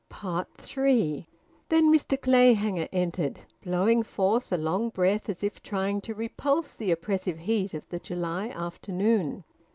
THREE. Then Mr Clayhanger entered, blowing forth a long breath as if trying to repulse the oppressive heat of the July afternoon.